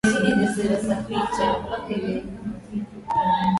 Wanyama kukosa nguvu ni dalili ya bonde la ufa